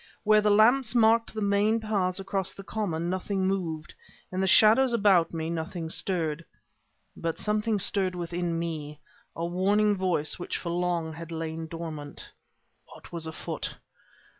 Where the lamps marked the main paths across the common nothing moved; in the shadows about me nothing stirred. But something stirred within me a warning voice which for long had lain dormant. What was afoot?